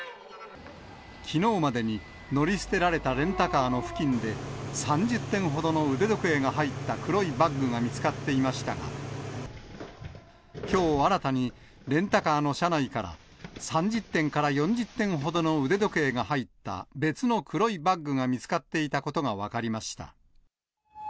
きのうまでに乗り捨てられたレンタカーの付近で、３０点ほどの腕時計が入った黒いバッグが見つかっていましたが、きょう新たに、レンタカーの車内から、３０点から４０点ほどの腕時計が入った別の黒いバッグが見つかっていたことが分かりました。